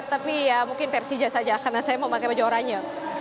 tapi ya mungkin persija saja karena saya mau pakai baju oranya